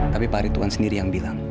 tapi pak rituan sendiri yang bilang